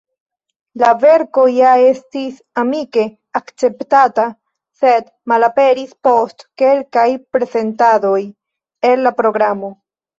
La verko ja estis amike akceptata, sed malaperis post kelkaj prezentadoj el la programo.